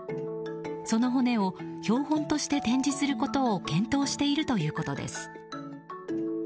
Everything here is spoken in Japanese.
その骨を標本として展示することを検討しているということです。